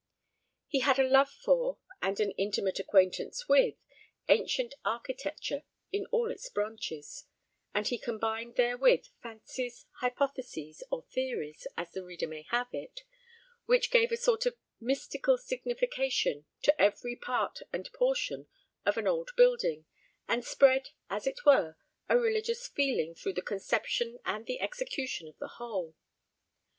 He had a love for, and an intimate acquaintance with, ancient architecture in all its branches; and he combined therewith fancies, hypotheses, or theories, as the reader may have it, which gave a sort of mystical signification to every part and portion of an old building, and spread, as it were, a religious feeling through the conception and the execution of the whole.